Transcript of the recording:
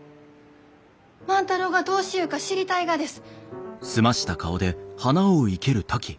万太郎がどうしゆうか知りたいがです！